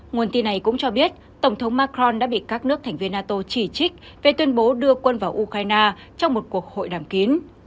nguồn tin này cũng cho biết tổng thống macron đã bị các nước thành viên nato chỉ trích về tuyên bố đưa quân vào ukraine trong một cuộc hội đàm kín